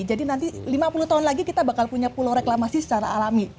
jadi nanti lima puluh tahun lagi kita bakal punya pulau reklamasi secara alami